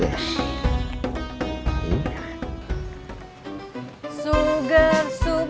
assalamualaikum pak ustadz